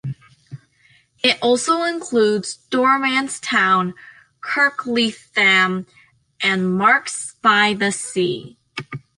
It also includes Dormanstown, Kirkleatham and Marske-by-the-Sea.